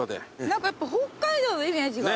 何かやっぱ北海道のイメージが。